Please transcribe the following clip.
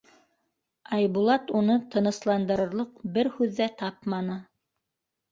Айбулат уны тынысландырырлыҡ бер һүҙ ҙә тапманы.